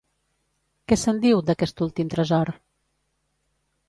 Què se'n diu, d'aquest últim tresor?